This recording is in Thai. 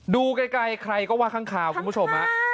ดูไกลใครก็ว่าข้างคาวคุณผู้ชม